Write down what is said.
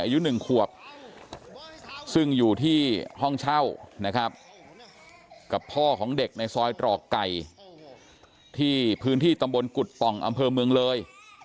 อายุ๑ขวบซึ่งอยู่ที่ห้องเช่านะครับกับพ่อของเด็กในซอยตรอกไก่ที่พื้นที่ตำบลกุฎป่องอำเภอเมืองเลย